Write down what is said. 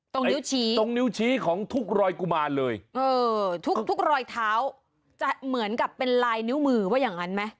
ตรงนิ้วชี้ของทุกรอยกูมาเลยทุกรอยเท้าเหมือนกับเป็นลายนิ้วมือว่าอย่างนั้นไหม